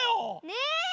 ねえ。